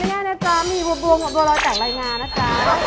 ไม่แน่นะจ๊ะมีบัวบวงบัวรอยจากรายงานนะจ๊ะ